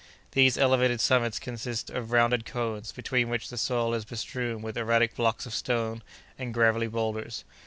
These elevated summits consist of rounded cones, between which the soil is bestrewn with erratic blocks of stone and gravelly bowlders.